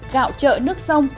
gạo trợ nước sông